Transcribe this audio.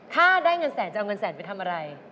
ถ้าได้เงินแสนจะเอาเงินแสนไปทำอะไร